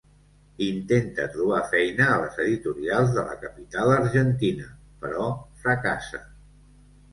Intenta trobar feina a les editorials de la capital argentina, però fracassa.